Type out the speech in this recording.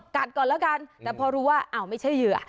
ก่อนแล้วกันแต่พอรู้ว่าอ้าวไม่ใช่เหยื่อ